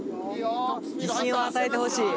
自信を与えてほしい。